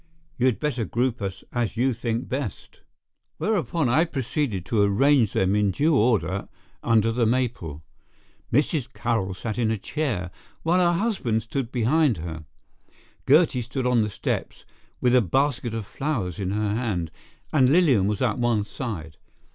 You had better group us as you think best." Whereupon I proceeded to arrange them in due order under the maple. Mrs. Carroll sat in a chair, while her husband stood behind her. Gertie stood on the steps with a basket of flowers in her hand, and Lilian was at one side.